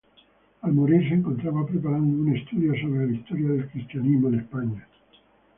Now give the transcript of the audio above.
Al morir se encontraba preparando un estudio sobre la historia del cristianismo en España.